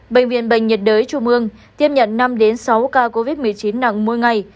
bệnh viện bệnh nhiệt đới trung ương tiếp nhận năm sáu ca covid một mươi chín nặng mỗi ngày